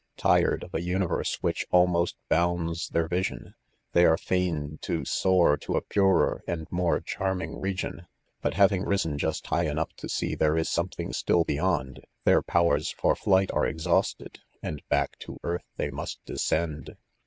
Tired of ' a universe which almost bounds their 'vision, they are ftia £o soar to a piirer and. moie charming Tegion 3 but ■hairing'' Elsea.just high enough to see there is .something still be yond, their, powers for flight are exhausted, and badbtcr &irth they must descend.